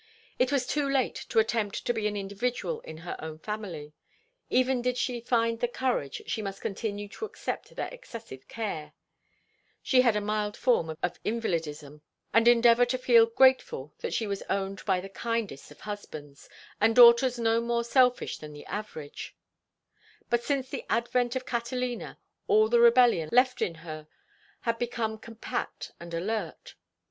It was too late to attempt to be an individual in her own family; even did she find the courage she must continue to accept their excessive care—she had a mild form of invalidism—and endeavor to feel grateful that she was owned by the kindest of husbands, and daughters no more selfish than the average; but since the advent of Catalina all the rebellion left in her had become compact and alert.